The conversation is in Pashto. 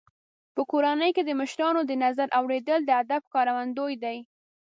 په کورنۍ کې د مشرانو د نظر اورېدل د ادب ښکارندوی دی.